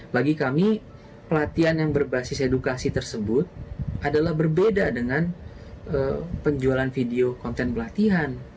bagi kami pelatihan yang berbasis edukasi tersebut adalah berbeda dengan penjualan video konten pelatihan